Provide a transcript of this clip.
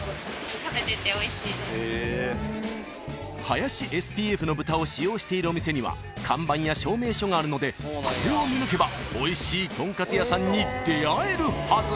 ［林ＳＰＦの豚を使用しているお店には看板や証明書があるのでこれを見抜けばおいしいとんかつ屋さんに出合えるはず］